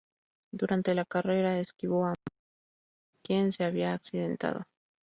Durante la carrera esquivó a Mario Andretti, quien se había accidentado.